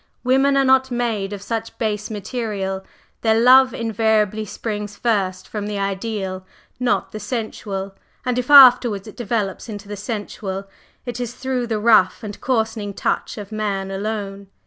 Women are not made of such base material; their love invariably springs first from the Ideal, not the Sensual, and if afterwards it develops into the sensual, it is through the rough and coarsening touch of man alone.